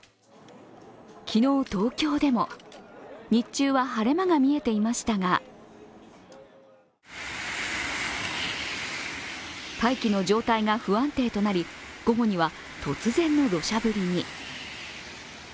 昨日、東京でも日中は晴れ間が見えていましたが大気の状態が不安定となり午後には突然のどしゃ降りに。